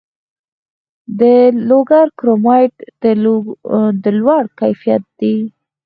د لوګر کرومایټ د لوړ کیفیت دی